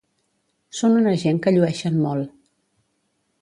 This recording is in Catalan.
Són una gent que llueixen molt.